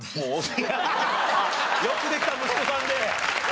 よくできた息子さんで。